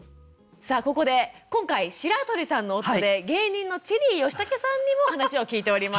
さあここで今回白鳥さんの夫で芸人のチェリー吉武さんにも話を聞いております。